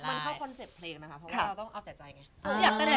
มันเข้าคอนเซ็ปต์เพลงนะคะเพราะว่าเราต้องเอาแต่ใจไง